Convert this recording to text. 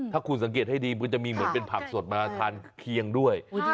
ถ้าคุณสังเกตให้ดีมันจะมีเหมือนเป็นผักสดมาทานเคียงด้วย